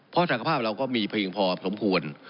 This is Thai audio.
เพราะสังคมภาพเราก็มีพลิกพอสมควร